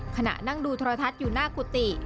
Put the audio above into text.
ขณะนั่งดูโทรทัศน์อยู่หน้ากุฏิ